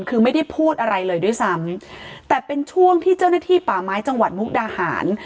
คือไม่ได้พูดอะไรเลยด้วยซ้ำแต่เป็นช่วงที่เจ้าหน้าที่ป่าไม้จังหวัดมุกดาหาร